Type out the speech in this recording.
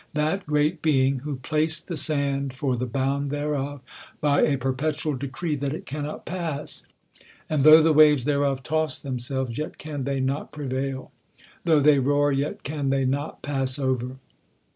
That great Be ing, *' who placed the sand lor the bound thereof, by a perpetual decree that it cannot pass ; and though the waves thereof toss themselves, yet can they not prevail ; though they roar, yet can they not pass over."